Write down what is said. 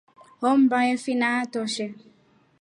Hommba hefina haatoshe.